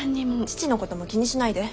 父のことも気にしないで。